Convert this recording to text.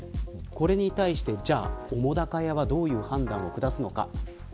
これに対し、じゃあ澤瀉屋はどういう判断を下すのか。